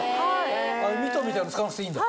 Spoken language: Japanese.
ミトンみたいなの使わなくていいんだ？